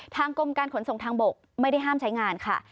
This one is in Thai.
กรมการขนส่งทางบกไม่ได้ห้ามใช้งานค่ะ